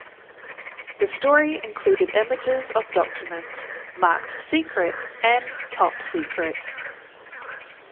The story included images of documents marked "secret" and "top secret".